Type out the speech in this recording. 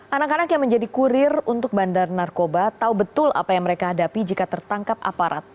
anak anak yang menjadi kurir untuk bandar narkoba tahu betul apa yang mereka hadapi jika tertangkap aparat